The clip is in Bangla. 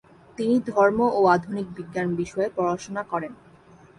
তিনি ধর্ম ও আধুনিক বিজ্ঞান বিষয়ে পড়াশুনা করেন।